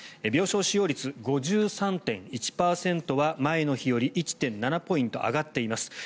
病床使用率５３．１％は前の日より１．７ポイント上がっています。